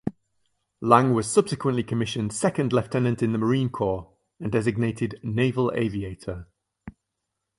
Lang was subsequently commissioned second lieutenant in the Marine Corps and designated Naval Aviator.